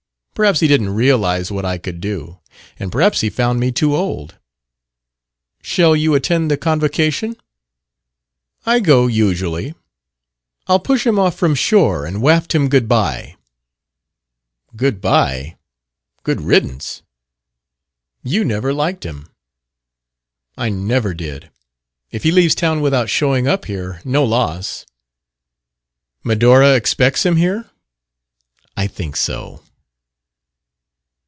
Perhaps he didn't realize what I could do. And perhaps he found me too old." "Shall you attend the convocation?" "I go usually. I'll push him off from shore and waft him good bye." "Good bye? Good riddance!" "You never liked him." "I never did. If he leaves town without showing up here, no loss." "Medora expects him here?" "I think so."